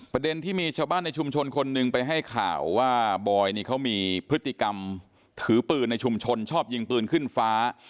ประเด็นที่มีชาวบ้านในชุมชนคนหนึ่งไปให้ข่าวว่าบอยนี่เขามีพฤติกรรมถือปืนในชุมชนชอบยิงปืนขึ้นฟ้า